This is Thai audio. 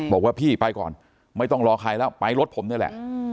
บอกว่าพี่ไปก่อนไม่ต้องรอใครแล้วไปรถผมนี่แหละ